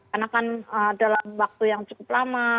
karena kan dalam waktu yang cukup lama